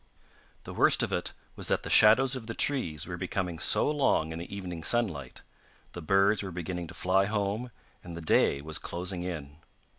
The worst of it was that the shadows of the tress were becoming so long in the evening sunlight, the birds were beginning to fly home, and the day was closing in.